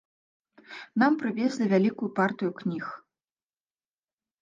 Нам прывезлі вялікую партыю кніг.